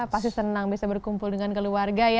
pasti senang bisa berkumpul dengan keluarga ya